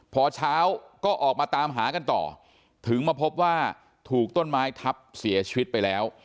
พอเช้าก็ออกมาตามหากันต่อถึงมาพบว่าถูกต้นไม้ทับเสียชีวิตไปแล้ว